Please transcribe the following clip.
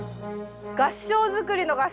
合掌造りの合掌だ。